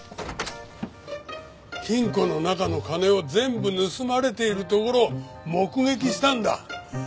金庫の中の金を全部盗まれているところを目撃したんだ。